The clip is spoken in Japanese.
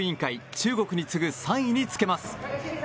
中国に次ぐ３位につけます。